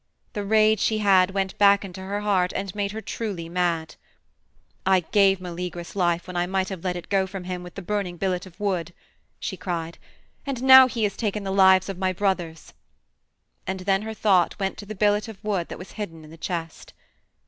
The rage she had went back into her heart and made her truly mad. "I gave Meleagrus life when I might have let it go from him with the burning billet of wood," she cried, "and now he has taken the lives of my brothers." And then her thought went to the billet of wood that was hidden in the chest.